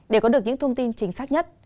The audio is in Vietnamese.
để có được những thông tin chính xác nhất